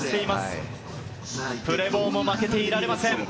プレボーも負けていられません。